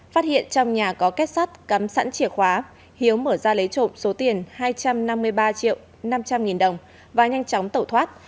phát hiện trong nhà có kết sắt cắm sẵn chìa khóa hiếu mở ra lấy trộm số tiền hai trăm năm mươi ba triệu năm trăm linh nghìn đồng và nhanh chóng tẩu thoát